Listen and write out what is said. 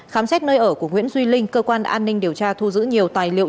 khám xét nơi ở của nguyễn duy linh cơ quan an ninh điều tra thu giữ nhiều tài liệu